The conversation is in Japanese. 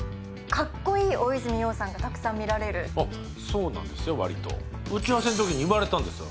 かっこいい大泉洋さんがたくさん見られるそうなんですよ割と打ち合わせのときに言われたんですよ